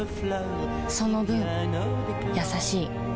その分優しい